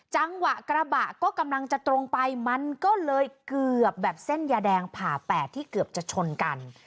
จังหวะกระบะก็กำลังจะตรงไปมันก็เลยเกือบแบบเส้นยาแดงผ่าแปดที่เกือบจะชนกัน